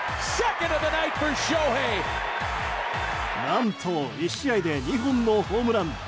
何と１試合で２本のホームラン。